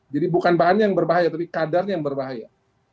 jadi bukan bahannya yang berbahaya tapi kadarnya yang berbahaya